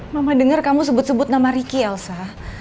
mama dengar kamu sebut sebut nama ricky elsa